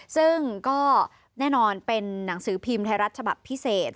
ซึ่งก็แน่นอนเป็นหนังสือพิมพ์ไทยรัฐฉบับพิเศษ